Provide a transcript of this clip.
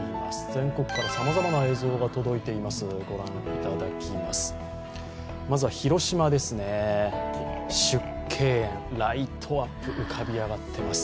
全国からさまざまな映像が届いています、ご覧いただきます。